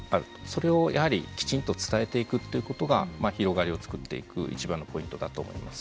それをやはりきちんと伝えていくっていうことが広がりを作っていく一番のポイントだと思います。